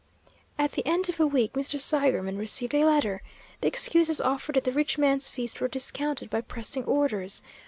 At the end of a week Mr. Seigerman received a letter. The excuses offered at the rich man's feast were discounted by pressing orders.